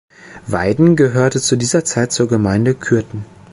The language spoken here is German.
Weiden gehörte zu dieser Zeit zur Gemeinde Kürten.